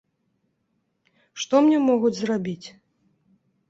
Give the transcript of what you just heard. Што мне могуць зрабіць?